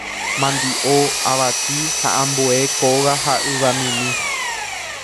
mandi'o, avati ha ambue kóga ha yvamimi.